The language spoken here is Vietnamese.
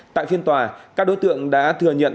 tại phiên tòa các đối tượng đã thừa nhận